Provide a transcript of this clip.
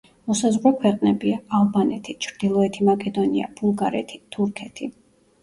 მოსაზღვრე ქვეყნებია: ალბანეთი, ჩრდილოეთი მაკედონია, ბულგარეთი, თურქეთი.